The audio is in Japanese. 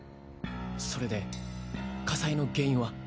それで火災の原因は？